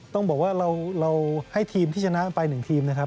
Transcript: ต้องบอกว่าเราให้ทีมที่ชนะไป๑ทีมนะครับ